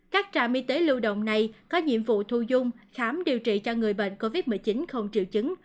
các trạm y tế lưu động này có nhiệm vụ thu dung khám điều trị cho người bệnh covid một mươi chín không triệu chứng